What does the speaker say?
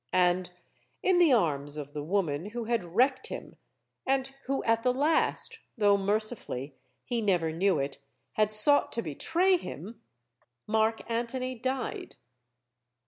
And in the arms of the woman who had wrecked him, and who at the last though, mercifully, he never knew it had sought to betray him, Mark Antony died.